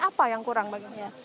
apa yang kurang bagi ibu